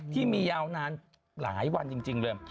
ที่มียาวนานหลายวันจริงเลย